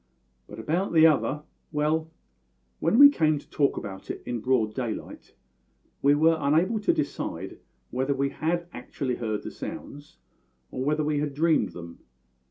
"But about the other well, when we came to talk about it in broad daylight we were unable to decide whether we had actually heard the sounds, or whether we had dreamed them.